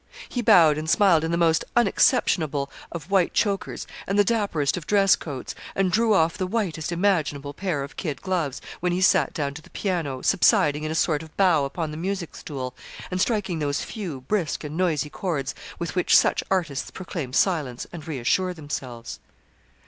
He bowed and smiled in the most unexceptionable of white chokers and the dapperest of dress coats, and drew off the whitest imaginable pair of kid gloves, when he sat down to the piano, subsiding in a sort of bow upon the music stool, and striking those few, brisk and noisy chords with which such artists proclaim silence and reassure themselves.